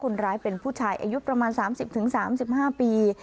คนร้ายเป็นผู้ชายอายุประมาณ๓๐๓๕ปี